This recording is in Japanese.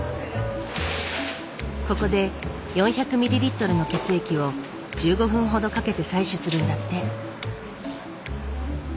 ここで４００ミリリットルの血液を１５分ほどかけて採取するんだって。